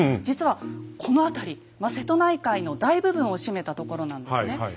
実はこの辺り瀬戸内海の大部分を占めたところなんですね。